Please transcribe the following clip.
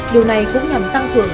điều này cũng nhằm tăng cường